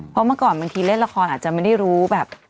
เพราะเมื่อก่อนบางทีเล่นละครอาจจะไม่ได้รู้แบบ